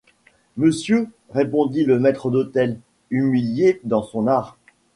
Monsieur! répondit le maître d’hôtel, humilié dans son art.